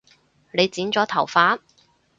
你剪咗頭髮？